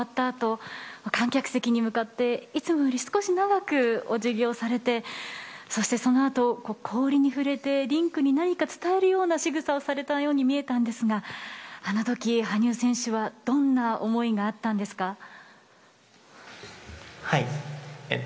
あと観客席に向かっていつもより少し長くお辞儀をされて、そのあと氷に触れてリンクに何か伝えるようなしぐさをされたように見えたんですがあの時、羽生選手はどんな思いがあったんですか？